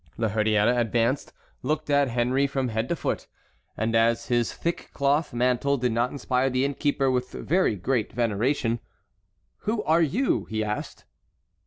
La Hurière advanced, looked at Henry from head to foot, and as his thick cloth mantle did not inspire the innkeeper with very great veneration: "Who are you?" he asked.